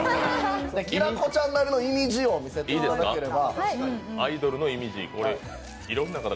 きらこちゃんなりのいみじを見せていただければ。